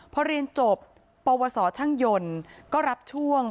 พอเรียนจบปสถก็รับช่วง